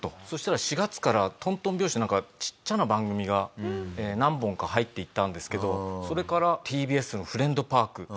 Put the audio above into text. そしたら４月からとんとん拍子でなんかちっちゃな番組が何本か入っていったんですけどそれからＴＢＳの『フレンドパーク』。